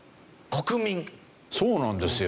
そうなんですよ。